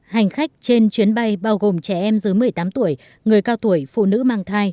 hành khách trên chuyến bay bao gồm trẻ em dưới một mươi tám tuổi người cao tuổi phụ nữ mang thai